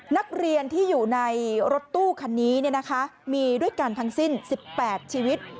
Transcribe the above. นักเรียนที่อยู่ในรถตู้คันนี้มีด้วยกันทั้งสิ้น๑๘ชีวิต